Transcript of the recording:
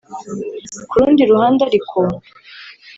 Ku rundi ruhande ariko